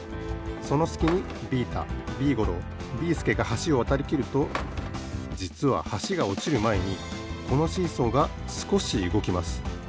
そのすきにビータビーゴロービーすけがはしをわたりきるとじつははしがおちるまえにこのシーソーがすこしうごきます。